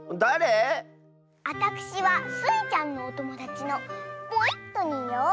あたくしはスイちゃんのおともだちのポイットニーよ。